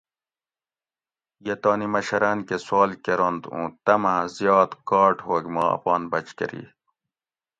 یہ تانی مشراٞن کٞہ سوال کرنت اُوں تماٞں زیات کاٹ ہوگ ما اپان بچ کٞری